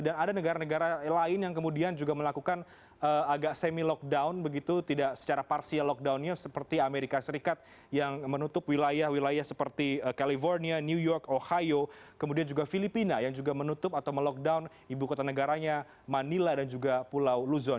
dan ada negara negara lain yang kemudian juga melakukan agak semi lockdown begitu tidak secara parsial lockdownnya seperti amerika serikat yang menutup wilayah wilayah seperti california new york ohio kemudian juga filipina yang juga menutup atau melockdown ibu kota negaranya manila dan juga pulau luzon